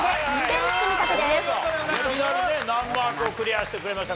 いきなりね難マークをクリアしてくれました。